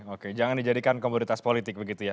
oke jangan dijadikan komoditas politik begitu ya